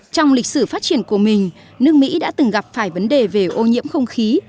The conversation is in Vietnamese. trong lịch sử phát triển của mình nước mỹ đã từng gặp phải vấn đề về ô nhiễm không khí